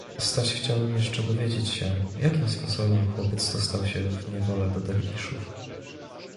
Staś chciał jeszcze dowiedzieć się, jakim sposobem chłopiec dostał się w niewolę do derwiszów.